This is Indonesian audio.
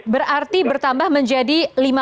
berarti bertambah menjadi lima